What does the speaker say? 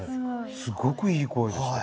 すごくいい声でしたよ。